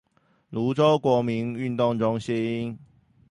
蘆洲國民運動中心